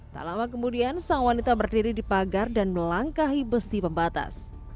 tak lama kemudian sang wanita berdiri di pagar dan melangkahi besi pembatas